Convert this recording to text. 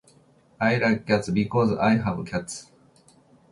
I like cats. Because I have cats.